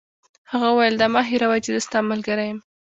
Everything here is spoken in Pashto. هغه وویل: دا مه هیروئ چي زه ستا ملګری یم.